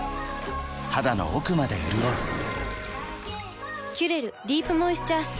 肌の奥まで潤う「キュレルディープモイスチャースプレー」